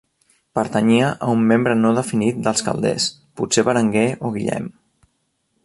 Pertanyia a un membre no definit dels Calders, potser Berenguer o Guillem.